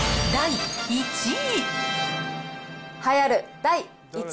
第１位。